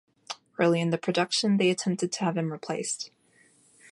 Early in the production, they attempted to have him replaced.